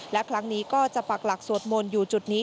และครั้งนี้ก็จะปักหลักสวดมนต์อยู่จุดนี้